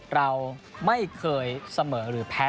เราไม่เคยเสมอหรือแพ้